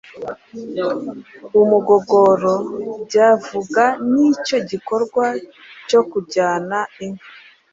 Umugogoro byavug n'icyo gikorwa cyo kujyana inka.